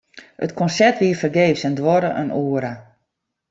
It konsert wie fergees en duorre in oere.